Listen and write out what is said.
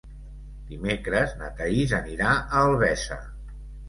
Dimecres na Thaís anirà a Albesa.